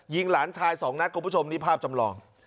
หลานชายสองนัดคุณผู้ชมนี่ภาพจำลอง